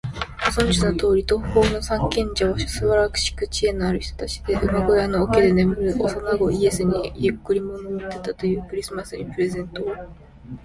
ご存じのとおり、東方の三賢者はすばらしく知恵のある人たちで、馬小屋の桶で眠る幼子イエスに贈り物を持ってきたという。クリスマスにプレゼントを贈る習慣は、そのことがもとになっている。